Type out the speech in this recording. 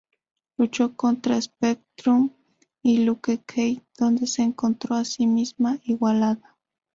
Luchó contra Spectrum y Luke Cage donde se encontró a sí misma igualada.